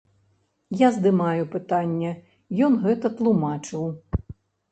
Я здымаю пытанне, ён гэта тлумачыў.